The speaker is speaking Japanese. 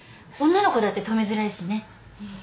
女の子だって泊めづらいしねふふっ。